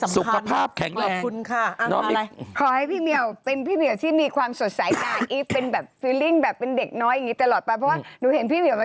สุขภาพแข็งแรงนะน้องมิกษ์อันนี้สำคัญขอบคุณค่ะ